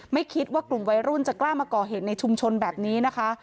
ไม่คิดว่ากลุ่มวัยรุ่นจะกล้ามาก่อเหตุในชุมชนแบบนี้นะคะ